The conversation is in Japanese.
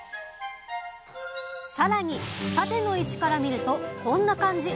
さらに縦の位置から見るとこんな感じ。